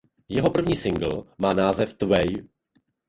Jeho první singl má název The Way.